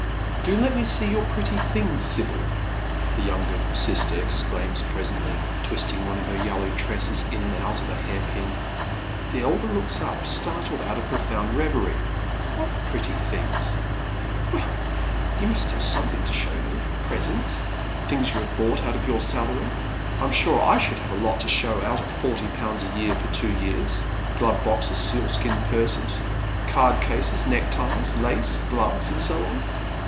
" Do let me see your pretty things, Sibyl," the younger sister exclaims presently, twisting one of her yellow tresses in and out of a hair pin. The elder looks up, startled ont of a profound reverie. " What pretty things ?" "Well, you must have something to show me — presents — things you have bought out of your salary. I'm sure I should have a lot to show out of forty pounds a year for two years. Glove boxes, sealskin purses, card rases, net.k ties, lace, gloves, and so on.